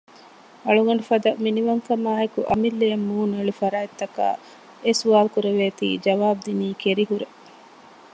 އަޅުގަނޑުފަދަ މިނިވަންކަމާއި އެކު އަމިއްލައަށް މޫނުއެޅި ފަރާތަކާ އެ ސުވާްލު ކުރެވޭތީ ޖަވާބު ދިނީ ކެރިހުރޭ